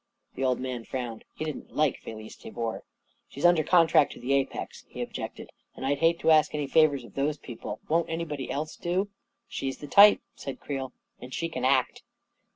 "he old man frowned. He didn't like Felice Taoor. " She's under contract to the Apex," he objected, "and I'd hate to ask any favors of those people. Won't anybody else do ?" 44 She's the type," said Creel. "And she can act."